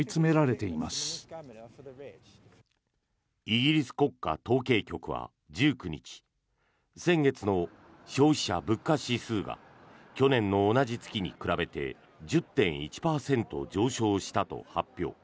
イギリス国家統計局は１９日先月の消費者物価指数が去年の同じ月に比べて１０．１％上昇したと発表。